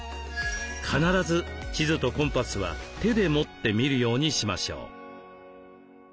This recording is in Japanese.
必ず地図とコンパスは手で持って見るようにしましょう。